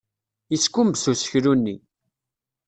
Yeskumbes useklu-nni.